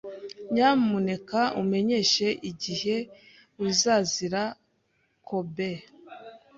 Nyamuneka umenyeshe igihe uzazira Kobe